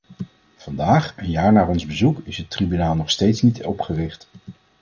Vandaag, een jaar na ons bezoek, is het tribunaal nog steeds niet opgericht.